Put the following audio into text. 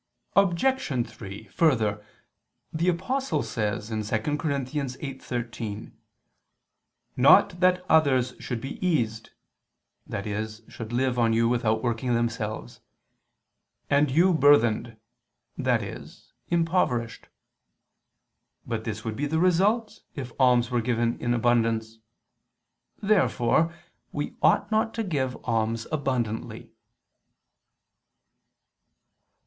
Obj. 3: Further, the Apostle says (2 Cor. 8:13): "Not that others should be eased," i.e. should live on you without working themselves, "and you burthened," i.e. impoverished. But this would be the result if alms were given in abundance. Therefore we ought not to give alms abundantly.